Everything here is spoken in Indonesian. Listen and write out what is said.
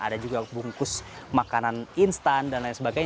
ada juga bungkus makanan instan dan lain sebagainya